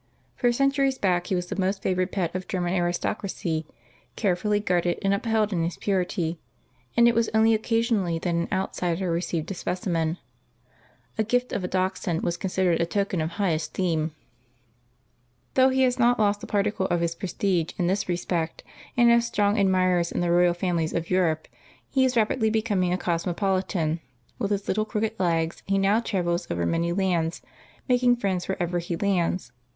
For centuries back he was the most favored pet of German aristocracy, carefully guarded and upheld in his purity, and it was only occasionally that an outsider received a specimen. A gift of a Dachshund was considered a token of high esteem. [Illustration: True Dachshund Specimens.] Though he has not lost a particle of his prestige in this respect, and has strong admirers in the royal families of Europe, he is rapidly becoming a cosmopolitan; with his little crooked legs he now travels over many lands, making friends wherever he lands.